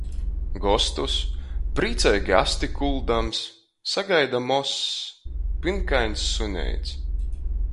Gostus, prīceigi asti kuldams, sagaida mozs, pynkains suneits.